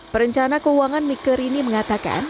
perencana keuangan miker rini mengatakan